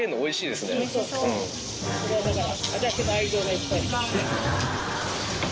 これはだから。